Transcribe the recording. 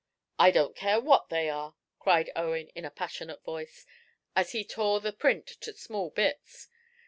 "I don't care what they are," cried Owen, in a passionate voice, as before the print to small bits.